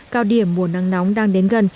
cao điểm mùa nắng nóng đang đến gần